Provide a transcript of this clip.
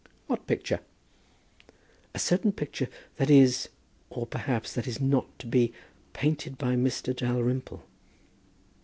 "What picture?" "A certain picture that is , or, perhaps, that is not to be, painted by Mr. Dalrymple?"